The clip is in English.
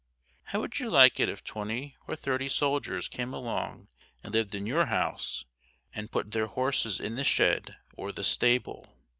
How would you like it if twenty or thirty soldiers came along and lived in your house and put their horses in the shed or the stable?